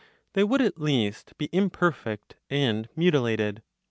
They would, at least, be imperfect and mutilated.